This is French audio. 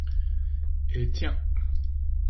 Et tiens!